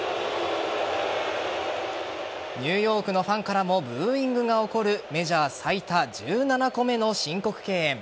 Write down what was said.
ニューヨークのファンからもブーイングが起こるメジャー最多１７個目の申告敬遠。